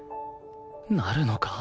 なるのか？